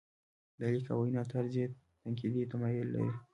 د لیک او وینا طرز یې تنقیدي تمایل لري.